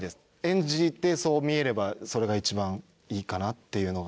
演じてそう見えればそれが一番いいかなっていうのが。